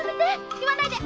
言わないで！